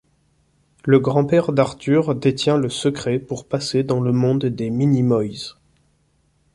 Le grand-père d’Arthur détient le secret pour passer dans le monde des minimoys.